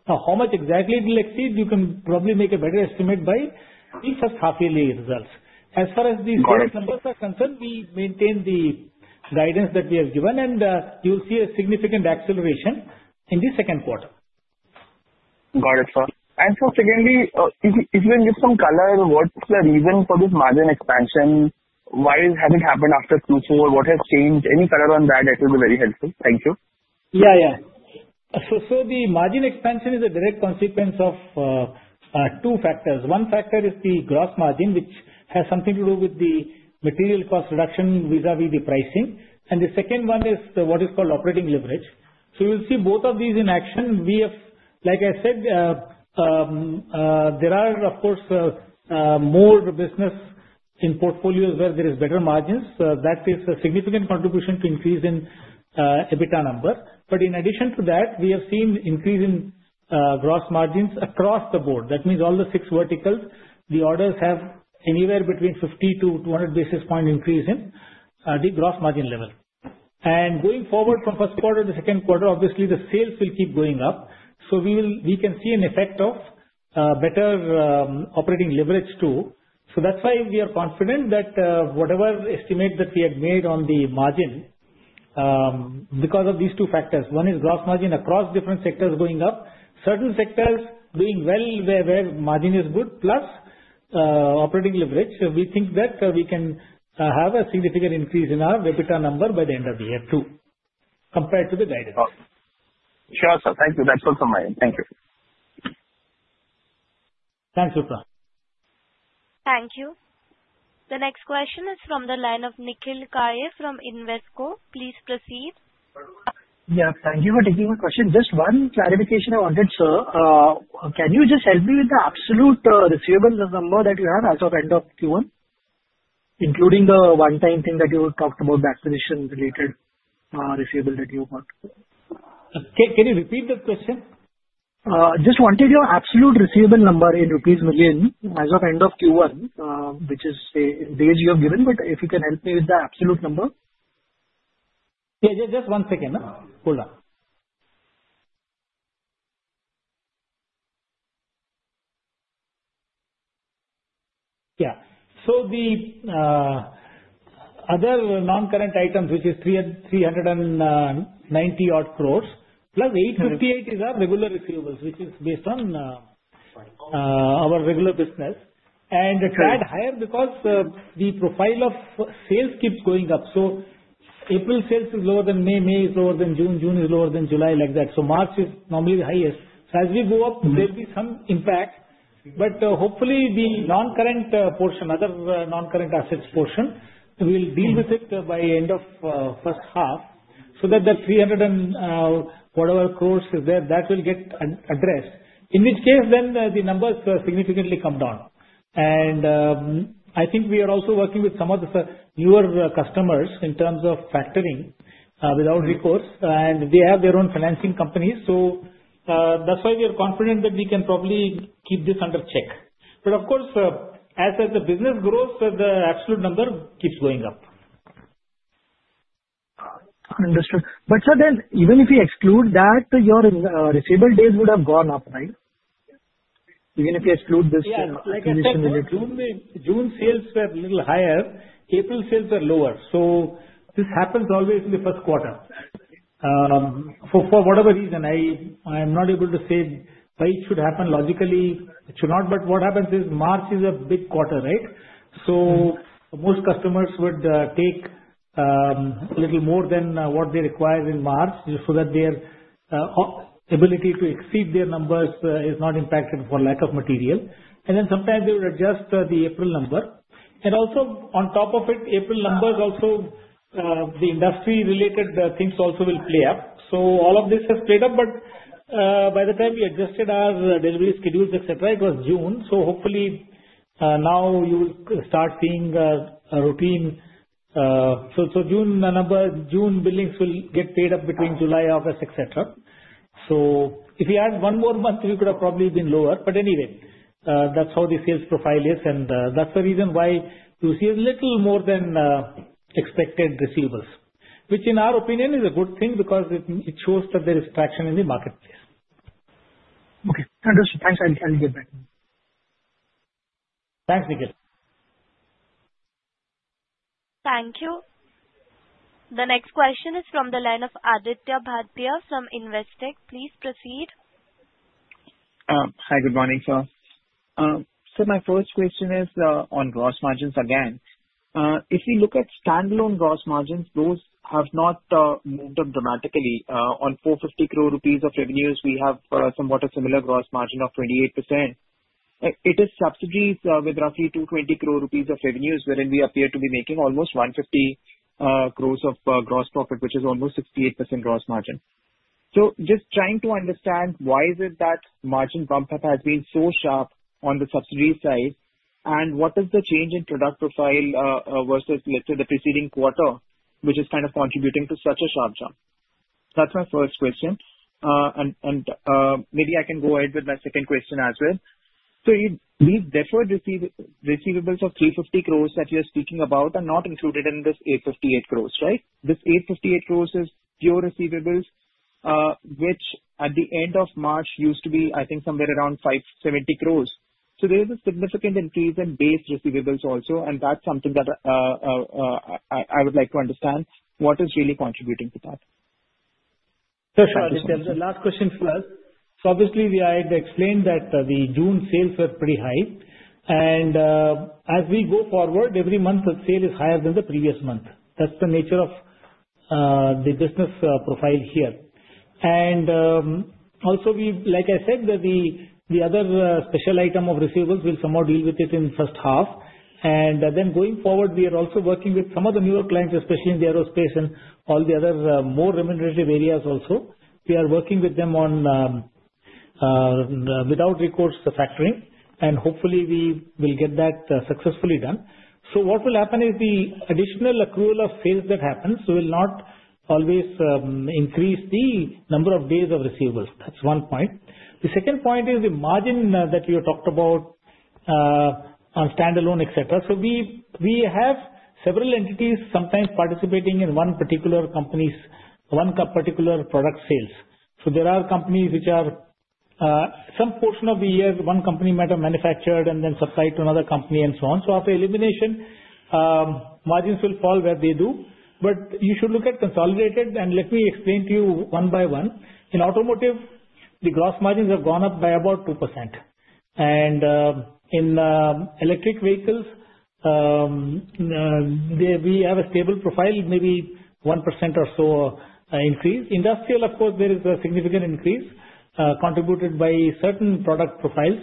Now, how much exactly it will exceed, you can probably make a better estimate by the first half-yearly results. As far as these numbers are concerned, we maintain the guidance that we have given, and you will see a significant acceleration in the second quarter. Got it, sir. And so secondly, if you can give some color on what's the reason for this margin expansion, why has it happened after Q4, what has changed, any color on that, that will be very helpful. Thank you. Yeah, yeah. So the margin expansion is a direct consequence of two factors. One factor is the gross margin, which has something to do with the material cost reduction vis-à-vis the pricing. And the second one is what is called operating leverage. So you will see both of these in action. Like I said, there are, of course, more business in portfolios where there are better margins. That is a significant contribution to increase in EBITDA number. But in addition to that, we have seen an increase in gross margins across the board. That means all the six verticals, the orders have anywhere between 50-200 basis points increase in the gross margin level. And going forward from first quarter to second quarter, obviously, the sales will keep going up. So we can see an effect of better operating leverage too. So that's why we are confident that whatever estimate that we had made on the margin, because of these two factors, one is gross margin across different sectors going up, certain sectors doing well where margin is good, plus operating leverage, we think that we can have a significant increase in our EBITDA number by the end of the year too, compared to the guidance. Sure, sir. Thank you. That's all from my end. Thank you. Thanks, Vipraw. Thank you. The next question is from the line of Nikhil Kale from Invesco. Please proceed. Yeah. Thank you for taking my question. Just one clarification I wanted, sir. Can you just help me with the absolute receivable number that you have as of end of Q1, including the one-time thing that you talked about, the acquisition-related receivable that you have? Can you repeat the question? Just wanted your absolute receivable number in rupees million as of end of Q1, which is the figure you have given, but if you can help me with the absolute number. Yeah, just one second. Hold on. Yeah. So the other non-current items, which is 390 odd crore, plus 858 is our regular receivables, which is based on our regular business. And it's at higher because the profile of sales keeps going up. So April sales is lower than May, May is lower than June, June is lower than July, like that. So March is normally the highest. So as we go up, there will be some impact. But hopefully, the non-current portion, other non-current assets portion, will deal with it by end of first half so that the 300 and whatever crore is there, that will get addressed. In which case, then the numbers significantly come down. And I think we are also working with some of the newer customers in terms of factoring without recourse. And they have their own financing companies. So that's why we are confident that we can probably keep this under check. But of course, as the business grows, the absolute number keeps going up. Understood. But sir, then even if you exclude that, your receivable days would have gone up, right? Even if you exclude this transition. Yeah. June sales were a little higher. April sales were lower. So this happens always in the first quarter for whatever reason. I am not able to say why it should happen logically. It should not. But what happens is March is a big quarter, right? So most customers would take a little more than what they require in March just so that their ability to exceed their numbers is not impacted for lack of material. And then sometimes they would adjust the April number. And also on top of it, April number is also the industry-related things also will play up. So all of this has played up. But by the time we adjusted our delivery schedules, etc., it was June. So hopefully, now you will start seeing a routine. So June billings will get paid up between July, August, etc. So if we had one more month, we could have probably been lower. But anyway, that's how the sales profile is. And that's the reason why you see a little more than expected receivables, which in our opinion is a good thing because it shows that there is traction in the marketplace. Okay. Understood. Thanks. I'll get back to you. Thanks, Nikhil. Thank you. The next question is from the line of Aditya Bhartia from Investec. Please proceed. Hi, good morning, sir. So my first question is on gross margins again. If we look at standalone gross margins, those have not moved up dramatically. On 450 crore rupees of revenues, we have somewhat a similar gross margin of 28%. It is subsidiaries with roughly 220 crore rupees of revenues, wherein we appear to be making almost 150 crore of gross profit, which is almost 68% gross margin. So just trying to understand why is it that margin bump has been so sharp on the subsidiary side, and what is the change in product profile versus the preceding quarter, which is kind of contributing to such a sharp jump? That's my first question. And maybe I can go ahead with my second question as well. So these deferred receivables of 350 crore that you're speaking about are not included in this 858 crore, right? This 858 crore is pure receivables, which at the end of March used to be, I think, somewhere around 570 crore. So there is a significant increase in base receivables also, and that's something that I would like to understand what is really contributing to that. Sure, sir. Just the last question first. So obviously, we had explained that the June sales were pretty high. And as we go forward, every month, the sale is higher than the previous month. That's the nature of the business profile here. And also, like I said, the other special item of receivables will somehow deal with it in the first half. And then going forward, we are also working with some of the newer clients, especially in the aerospace and all the other more remunerative areas also. We are working with them on factoring without recourse, and hopefully, we will get that successfully done. So what will happen is the additional accrual of sales that happens will not always increase the number of days of receivables. That's one point. The second point is the margin that you talked about on standalone, etc. So we have several entities sometimes participating in one particular company's one particular product sales. So there are companies which are some portion of the year, one company might have manufactured and then supplied to another company and so on. So after elimination, margins will fall where they do. But you should look at consolidated, and let me explain to you one by one. In automotive, the gross margins have gone up by about 2%. And in electric vehicles, we have a stable profile, maybe 1% or so increase. Industrial, of course, there is a significant increase contributed by certain product profiles.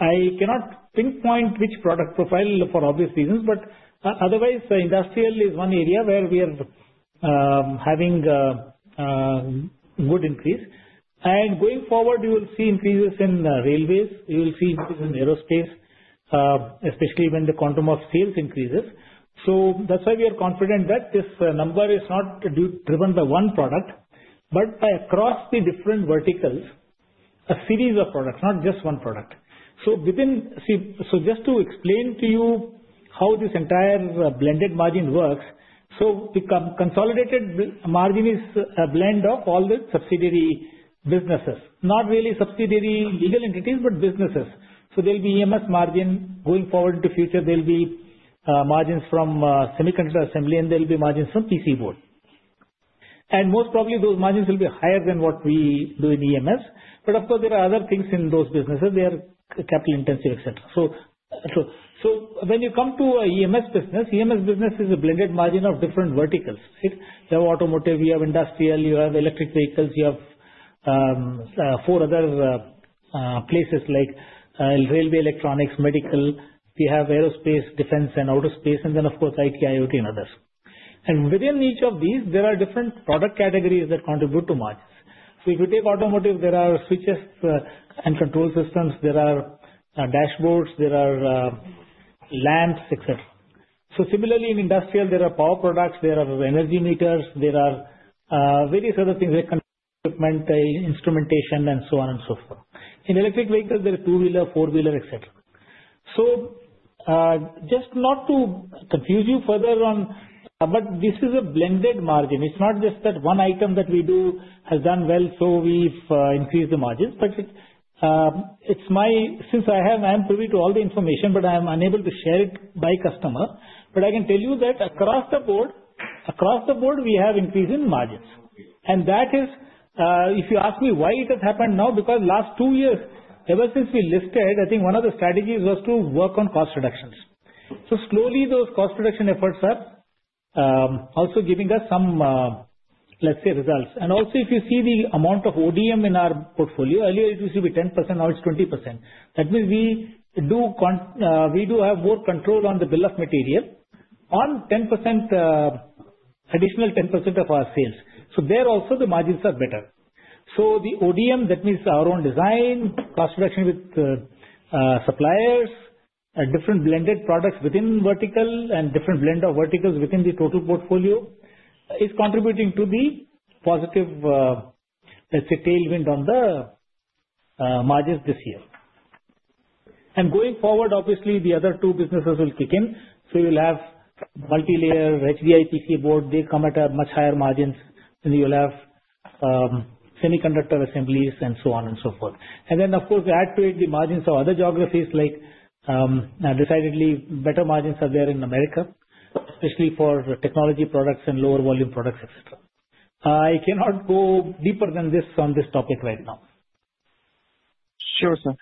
I cannot pinpoint which product profile for obvious reasons, but otherwise, industrial is one area where we are having a good increase. And going forward, you will see increases in railways. You will see increases in aerospace, especially when the quantum of sales increases. So that's why we are confident that this number is not driven by one product, but by across the different verticals, a series of products, not just one product. So just to explain to you how this entire blended margin works, so the consolidated margin is a blend of all the subsidiary businesses, not really subsidiary legal entities, but businesses. So there will be EMS margin. Going forward into the future, there will be margins from semiconductor assembly, and there will be margins from PC board. And most probably, those margins will be higher than what we do in EMS. But of course, there are other things in those businesses. They are capital-intensive, etc. So when you come to an EMS business, EMS business is a blended margin of different verticals, right? You have automotive, you have industrial, you have electric vehicles, you have four other places like railway electronics, medical, we have aerospace, defense, and outer space, and then, of course, IT, IoT, and others, and within each of these, there are different product categories that contribute to margins, so if you take automotive, there are switches and control systems, there are dashboards, there are lamps, etc., so similarly, in industrial, there are power products, there are energy meters, there are various other things like equipment, instrumentation, and so on and so forth, in electric vehicles, there are two-wheeler, four-wheeler, etc., so just not to confuse you further on, but this is a blended margin. It's not just that one item that we do has done well, so we've increased the margins. But since I am privy to all the information, but I am unable to share it by customer, but I can tell you that across the board, we have increased in margins. And that is, if you ask me why it has happened now, because last two years, ever since we listed, I think one of the strategies was to work on cost reductions. So slowly, those cost reduction efforts are also giving us some, let's say, results. And also, if you see the amount of ODM in our portfolio, earlier it used to be 10%, now it's 20%. That means we do have more control on the bill of material on additional 10% of our sales. So there also, the margins are better. So the ODM, that means our own design, cost reduction with suppliers, different blended products within vertical, and different blend of verticals within the total portfolio is contributing to the positive, let's say, tailwind on the margins this year. And going forward, obviously, the other two businesses will kick in. So you will have multi-layer HDI PCB. They come at much higher margins. You'll have semiconductor assemblies and so on and so forth. And then, of course, add to it the margins of other geographies, like decidedly better margins are there in America, especially for technology products and lower volume products, etc. I cannot go deeper than this on this topic right now. Sure, sir.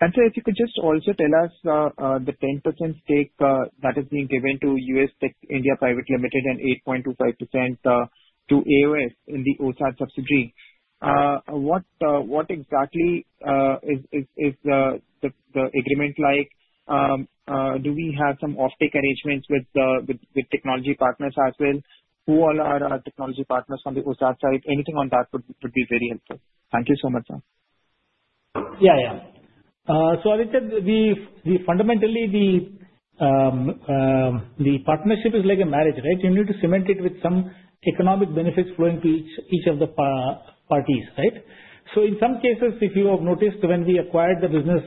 And sir, if you could just also tell us the 10% stake that is being given to UST India Private Limited and 8.25% to AOS in the OSAT subsidiary, what exactly is the agreement like? Do we have some off-take arrangements with technology partners as well? Who all are our technology partners on the OSAT side? Anything on that would be very helpful. Thank you so much, sir. Yeah, yeah. So Aditya, fundamentally, the partnership is like a marriage, right? You need to cement it with some economic benefits flowing to each of the parties, right? So in some cases, if you have noticed, when we acquired the business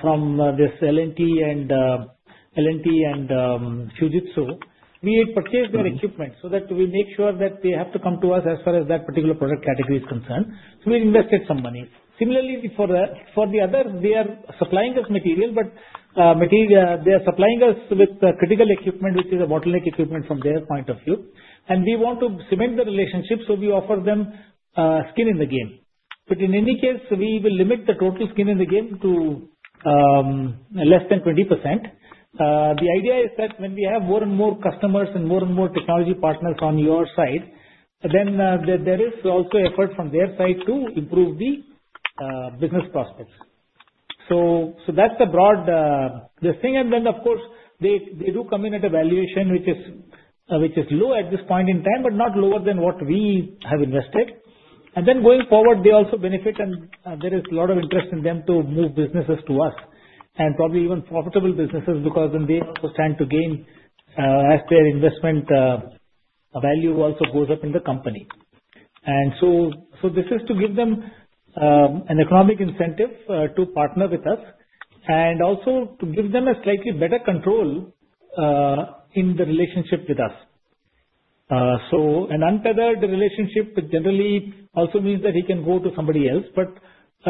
from this L&T and Fujitsu, we purchased their equipment so that we make sure that they have to come to us as far as that particular product category is concerned. So we invested some money. Similarly, for the others, they are supplying us material, but they are supplying us with critical equipment, which is a bottleneck equipment from their point of view. And we want to cement the relationship, so we offer them skin in the game. But in any case, we will limit the total skin in the game to less than 20%. The idea is that when we have more and more customers and more and more technology partners on your side, then there is also effort from their side to improve the business prospects. So that's the broad thing. And then, of course, they do come in at a valuation which is low at this point in time, but not lower than what we have invested. And then going forward, they also benefit, and there is a lot of interest in them to move businesses to us and probably even profitable businesses because then they also stand to gain as their investment value also goes up in the company. And so this is to give them an economic incentive to partner with us and also to give them a slightly better control in the relationship with us. An unfettered relationship generally also means that he can go to somebody else, but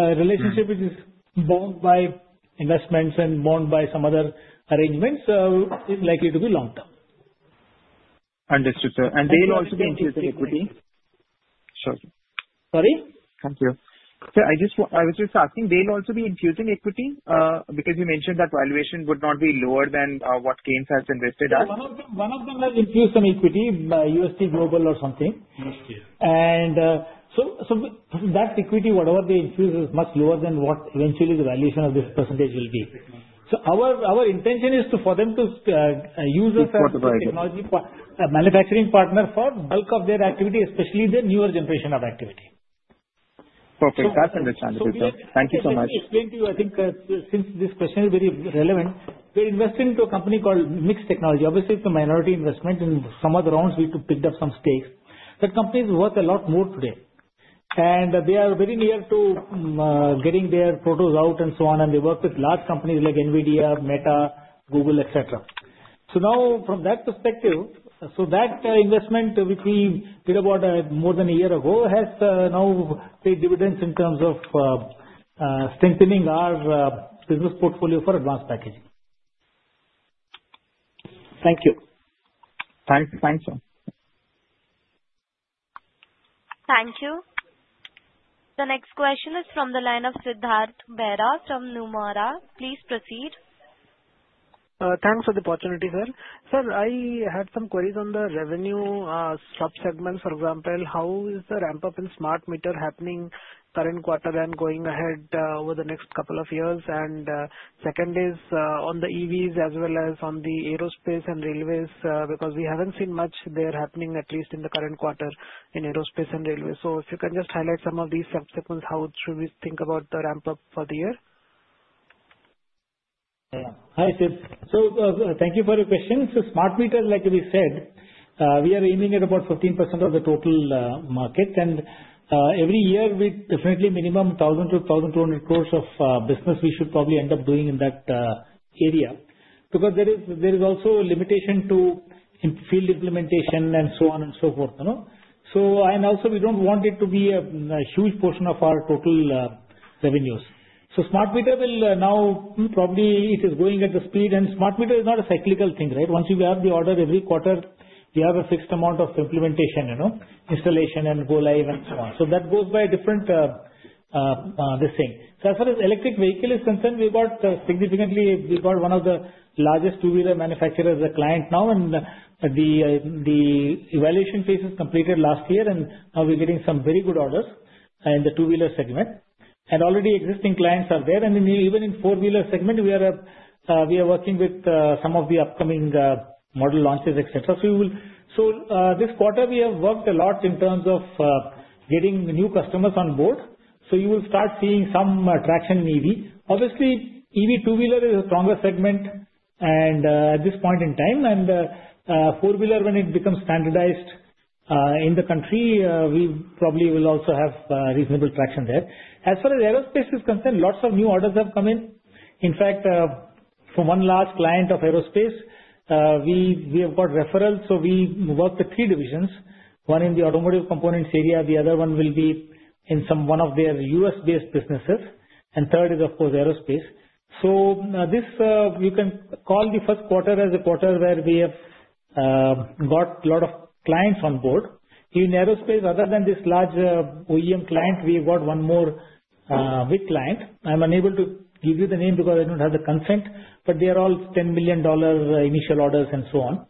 a relationship which is bound by investments and bound by some other arrangements is likely to be long-term. Understood, sir. And they'll also be infusing equity. Sorry? Thank you. Sir, I was just asking, they'll also be infusing equity because you mentioned that valuation would not be lower than what Kaynes has invested at. One of them will infuse some equity, UST Global or something. And so that equity, whatever they infuse, is much lower than what eventually the valuation of this percentage will be. So our intention is for them to use us as a technology manufacturing partner for bulk of their activity, especially the newer generation of activity. Perfect. I understand. Thank you so much. I can explain to you, I think, since this question is very relevant. We're investing into a company called Mixx Technologies. Obviously, it's a minority investment, and some other rounds, we picked up some stakes. That company is worth a lot more today. They are very near to getting their prototypes out and so on, and they work with large companies like NVIDIA, Meta, Google, etc. Now, from that perspective, that investment which we did about more than a year ago has now paid dividends in terms of strengthening our business portfolio for advanced packaging. Thank you. Thanks. Thanks, sir. Thank you. The next question is from the line of Siddhartha Bera from Nomura. Please proceed. Thanks for the opportunity, sir. Sir, I had some queries on the revenue subsegments. For example, how is the ramp-up in smart meter happening, current quarter and going ahead over the next couple of years? And second is on the EVs as well as on the aerospace and railways because we haven't seen much there happening, at least in the current quarter, in aerospace and railways. So if you can just highlight some of these subsegments, how should we think about the ramp-up for the year? Hi, sir. So thank you for your question. So smart meters, like we said, we are aiming at about 15% of the total market. And every year, with definitely minimum 1,000-1,200 crore of business, we should probably end up doing in that area because there is also a limitation to field implementation and so on and so forth. And also, we don't want it to be a huge portion of our total revenues. So smart meter will now probably it is going at the speed, and smart meter is not a cyclical thing, right? Once you have the order every quarter, you have a fixed amount of implementation, installation, and go live and so on. So that goes by a different this thing. So as far as electric vehicle is concerned, we got significantly one of the largest two-wheeler manufacturers as a client now, and the evaluation phase is completed last year, and we're getting some very good orders in the two-wheeler segment. And already existing clients are there. And then even in four-wheeler segment, we are working with some of the upcoming model launches, etc. So this quarter, we have worked a lot in terms of getting new customers on board. So you will start seeing some traction in EV. Obviously, EV two-wheeler is a stronger segment at this point in time. And four-wheeler, when it becomes standardized in the country, we probably will also have reasonable traction there. As far as aerospace is concerned, lots of new orders have come in. In fact, from one large client of aerospace, we have got referrals. So we work with three divisions. One in the automotive components area. The other one will be in one of their U.S.-based businesses. And third is, of course, aerospace. So you can call the first quarter as a quarter where we have got a lot of clients on board. In aerospace, other than this large OEM client, we have got one more big client. I'm unable to give you the name because I don't have the consent, but they are all $10 million initial orders and so on.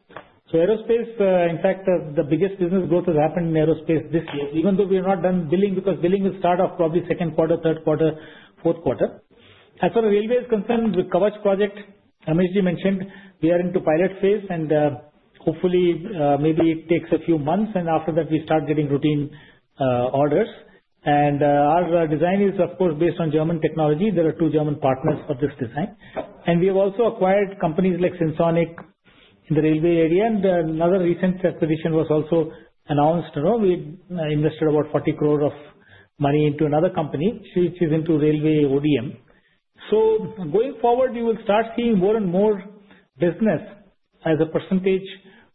So aerospace, in fact, the biggest business growth has happened in aerospace this year, even though we are not done billing because billing will start off probably second quarter, third quarter, fourth quarter. As far as railways concerned, the Kavach project, Ramesh ji mentioned, we are into pilot phase, and hopefully, maybe it takes a few months, and after that, we start getting routine orders. Our design is, of course, based on German technology. There are two German partners for this design. We have also acquired companies like Sensonic in the railway area. Another recent acquisition was also announced. We invested about 40 crore of money into another company, which is into railway ODM. Going forward, we will start seeing more and more business as a percentage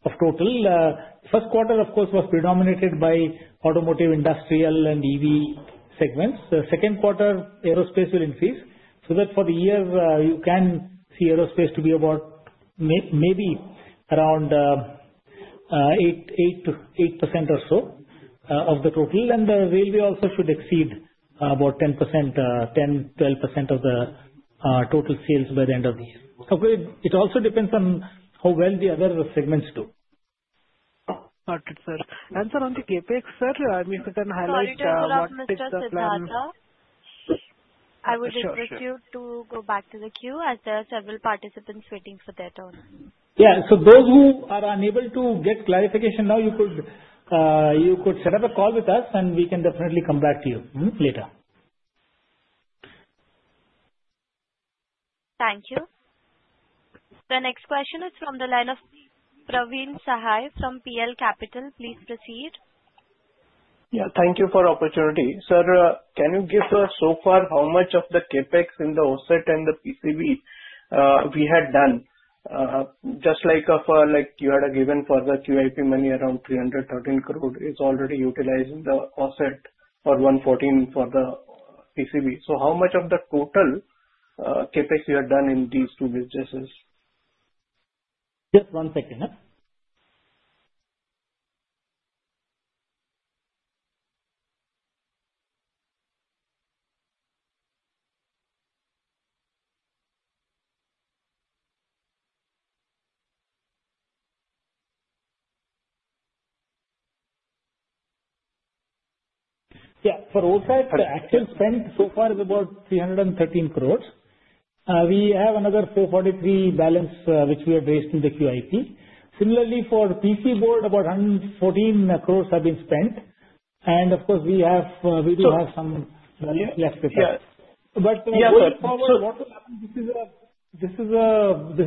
of total. First quarter, of course, was predominated by automotive, industrial, and EV segments. The second quarter, aerospace will increase so that for the year, you can see aerospace to be about maybe around 8% or so of the total. The railway also should exceed about 10%-12% of the total sales by the end of the year. Of course, it also depends on how well the other segments do. Got it, sir. And, sir, on the CapEx, sir, if you can highlight the plan. I would request you to go back to the queue as there are several participants waiting for their turn. Yeah, so those who are unable to get clarification now, you could set up a call with us, and we can definitely come back to you later. Thank you. The next question is from the line of Praveen Sahay from PL Capital. Please proceed. Yeah. Thank you for the opportunity. Sir, can you give us so far how much of the CapEx in the OSAT and the PCB we had done? Just like you had given for the QIP money, around 313 crore is already utilized in the OSAT and 114 crore for the PCB. So how much of the total CapEx you had done in these two businesses? Just one second. Yeah. For OSAT, the actual spend so far is about 313 crore. We have another 443 balance which we have raised in the QIP. Similarly, for PCB, about 114 crore have been spent, and, of course, we do have some left with us, but going forward, what will happen? This is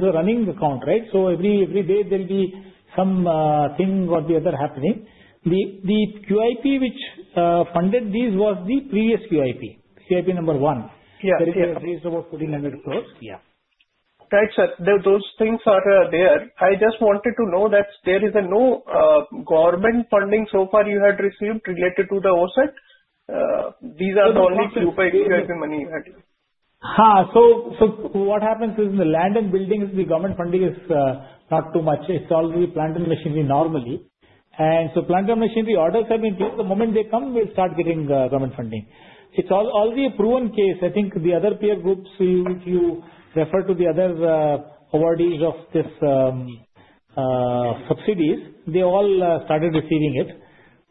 a running account, right? So every day, there'll be something or the other happening. The QIP which funded these was the previous QIP, QIP number one. There is at least about INR 1,400 crore. Yeah. Right, sir. Those things are there. I just wanted to know that there is no government funding so far you had received related to the OSAT? These are the only QIP money you had. Ha. So what happens is the land and buildings, the government funding is not too much. It's all the plant and machinery normally. And so plant and machinery orders have been placed. The moment they come, we'll start getting government funding. It's already a proven case. I think the other peer groups, if you refer to the other awardees of this subsidies, they all started receiving it.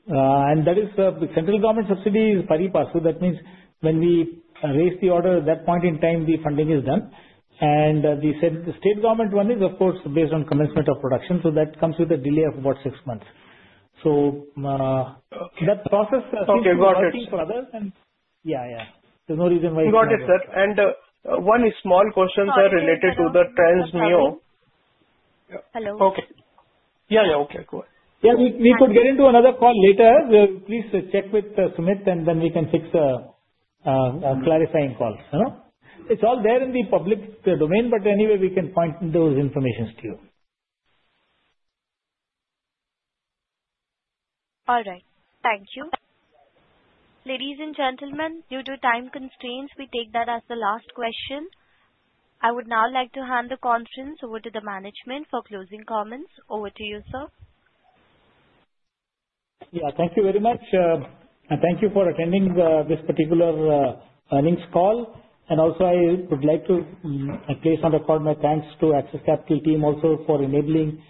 And that is the central government subsidy is pari passu. That means when we raise the order, at that point in time, the funding is done. And the state government one is, of course, based on commencement of production. So that comes with a delay of about six months. So that process. Okay. Got it. Yeah, yeah. There's no reason why it's not. Got it, sir. And one small question, sir, related to the Tranzmeo. Hello. Okay. Yeah, yeah. Okay. Cool. Yeah. We could get into another call later. Please check with Sumit, and then we can fix clarifying calls. It's all there in the public domain, but anyway, we can point those information to you. All right. Thank you. Ladies and gentlemen, due to time constraints, we take that as the last question. I would now like to hand the conference over to the management for closing comments. Over to you, sir. Yeah. Thank you very much. And thank you for attending this particular earnings call. And also, I would like to place on record my thanks to Axis Capital team also for enabling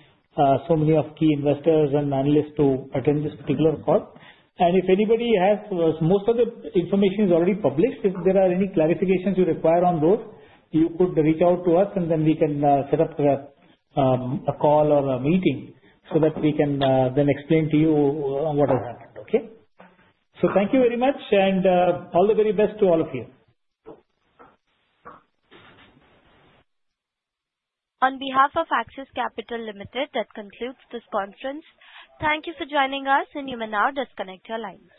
so many of key investors and analysts to attend this particular call. And if anybody has, most of the information is already published. If there are any clarifications you require on those, you could reach out to us, and then we can set up a call or a meeting so that we can then explain to you what has happened. Okay? So thank you very much, and all the very best to all of you. On behalf of Axis Capital Limited, that concludes this conference. Thank you for joining us, and you may now disconnect your line.